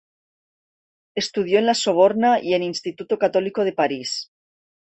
Estudió en la Soborna y en Instituto Católico de París.